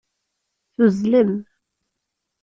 Tuzzlem.